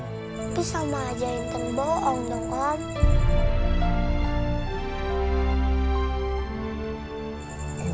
tapi sama aja intan bohong dong om